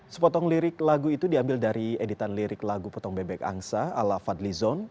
sepotong lirik lagu itu diambil dari editan lirik lagu potong bebek angsa ala fadli zon